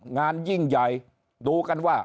ยิ่งใหญ่ดูกันว่า